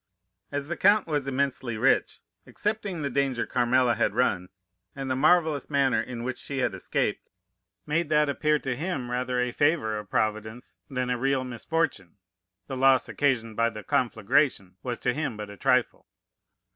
"As the count was immensely rich, excepting the danger Carmela had run,—and the marvellous manner in which she had escaped, made that appear to him rather a favor of Providence than a real misfortune,—the loss occasioned by the conflagration was to him but a trifle.